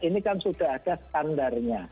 ini kan sudah ada standarnya